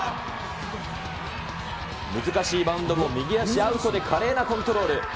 難しいバウンドも右足アウトで華麗なコントロール。